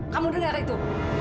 kamu dengar itu